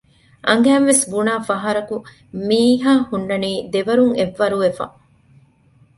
އަނގައިވެސް ބުނާފަހަރަކު މީހާހުންނާނީ ދެވަރުން އެއްވަރު ވެފަ